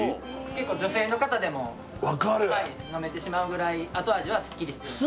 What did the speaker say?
結構女性の方でも分かる飲めてしまうぐらい後味はスッキリしてます